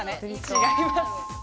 違います。